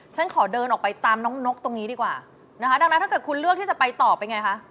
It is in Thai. ฉันขอเดินออกไปตามน้องนกตรงนี้ดีกว่านะคะดังนั้นถ้าเกิดคุณเลือกที่จะไปต่อไปไงคะ